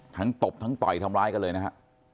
ตบทั้งต่อยทำร้ายกันเลยนะฮะ